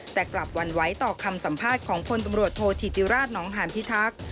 แต่กลับหวั่นไหวต่อคำสัมภาษณ์ของพลตำรวจโทษธิติราชนองหานพิทักษ์